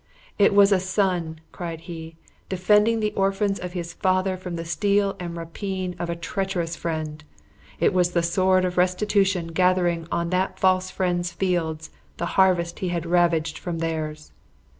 'It was a son,' cried he, 'defending the orphans of his father from the steel and rapine of a treacherous friend! It was the sword of restitution gathering on that false friend's fields the harvests he had ravaged from theirs!'